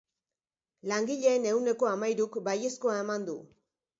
Langileen ehuneko hamahiruk baiezkoa eman du.